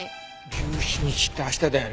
１７日って明日だよね。